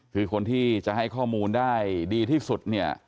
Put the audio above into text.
คือคนที่จะให้ข้อมูลได้ดีที่สุดเนี่ย